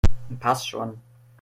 Passt schon!